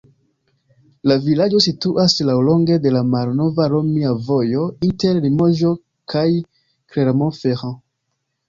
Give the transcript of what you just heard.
La vilaĝo situas laŭlonge de la malnova romia vojo inter Limoĝo kaj Clermont-Ferrand.